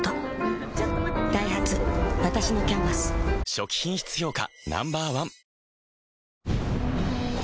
初期品質評価